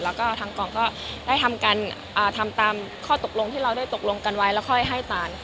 แต่ตอนการเข้าทางกองก็ได้ทำตามข้อตกลงที่เราได้ตกลงกันไว้แล้วค่อยให้ตานค่ะ